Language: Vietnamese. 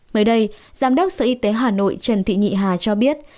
mới đây giám đốc sở y tế hà nội trần thị nhị hà cho biết